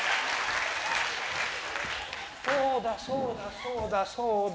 そうだそうだそうだそうだ。